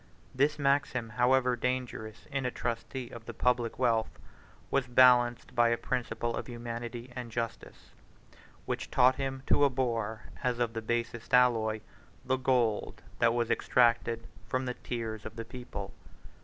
This maxim, however dangerous in a trustee of the public wealth, was balanced by a principle of humanity and justice, which taught him to abhor, as of the basest alloy, the gold that was extracted from the tears of the people.